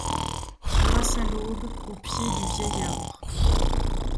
Grâce à l'aube, au pied du vieil arbre